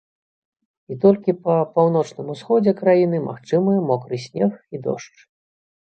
І толькі па паўночным усходзе краіны магчымыя мокры снег і дождж.